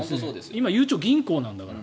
今、ゆうちょ銀行なんだから。